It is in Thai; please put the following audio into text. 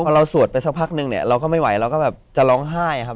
พอเราสวดไปสักพักนึงเนี่ยเราก็ไม่ไหวเราก็แบบจะร้องไห้ครับ